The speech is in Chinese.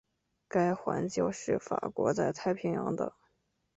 该环礁是法国在太平洋的。